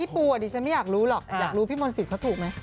ปูอ่ะดิฉันไม่อยากรู้หรอกอยากรู้พี่มนตรีเขาถูกไหม